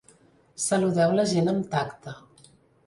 Saludeu la gent amb tacte.